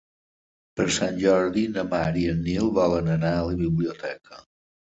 Per Sant Jordi na Mar i en Nil volen anar a la biblioteca.